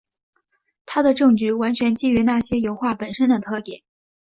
他的证据完全基于那些油画本身的特点。